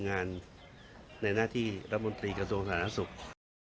ในหน้าที่รัฐมนตรีกระทรวงศาลนักศึกษ์